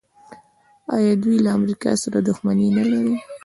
آیا دوی له امریکا سره دښمني نلري؟